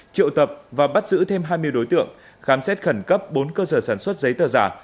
triệu tập và bắt giữ thêm hai mươi đối tượng khám xét khẩn cấp bốn cơ sở sản xuất giấy tờ giả